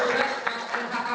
bel skii dane bapak da